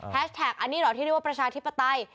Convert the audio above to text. แท็กอันนี้เหรอที่เรียกว่าประชาธิปไตย